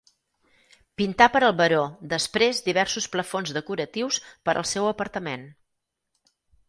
Pintà per al baró Després diversos plafons decoratius per al seu apartament.